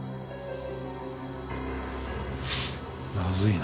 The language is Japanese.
まずいな。